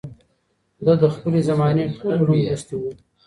ده د خپلې زمانې ټول علوم لوستي وو